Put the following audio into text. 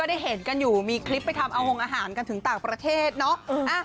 ได้เห็นกันอยู่มีคลิปไปทำเอาหงอาหารกันถึงต่างประเทศเนาะ